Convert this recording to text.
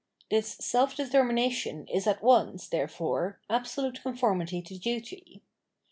This self determination is at once, therefore, absolute conformity to duty.